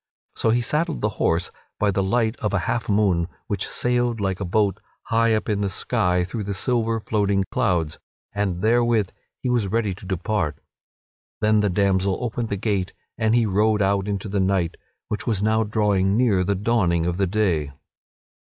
So he saddled the horse by the light of a half moon which sailed like a boat high up in the sky through the silver, floating clouds, and therewith he was ready to depart. Then the damsel opened the gate and he rode out into the night, which was now drawing near the dawning of the day.